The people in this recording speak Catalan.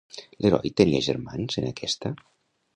L'heroi tenia germans, en aquesta?